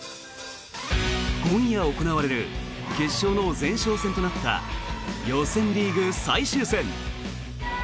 今夜行われる決勝の前哨戦となった予選リーグ最終戦。